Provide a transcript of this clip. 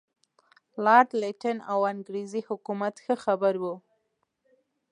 لارډ لیټن او انګریزي حکومت ښه خبر وو.